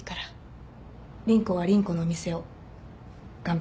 凛子は凛子のお店を頑張って。